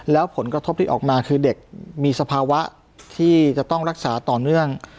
แล้วผลกระทบที่ออกมาคือเด็กมีสภาวะที่จะต้องรักษาต่อเนื่อง